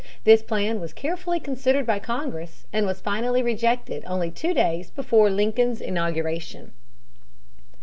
This plan was carefully considered by Congress, and was finally rejected only two days before Lincoln's inauguration.